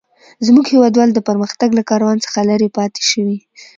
زموږ هيوادوال د پرمختګ له کاروان څخه لري پاته شوي.